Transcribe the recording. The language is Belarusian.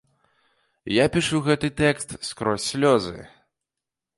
Я пішу гэты тэкст скрозь слёзы.